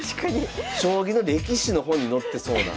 将棋の歴史の本に載ってそうな。